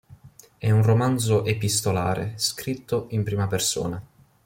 È un romanzo epistolare scritto in prima persona.